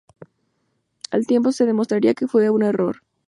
Al tiempo, se demostraría que fue un error.